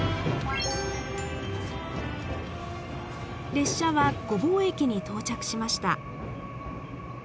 列車は御坊駅に到着しました。